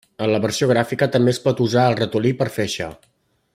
En la versió gràfica també es pot usar el ratolí per fer això.